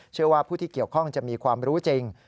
เชื่อว่าผู้ที่เกี่ยวข้องจะมีความรู้จริง